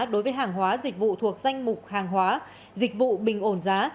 đối với hàng hóa dịch vụ thuộc danh mục hàng hóa dịch vụ bình ổn giá